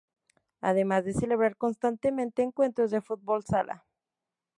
Además de celebrar constantemente encuentros de fútbol sala.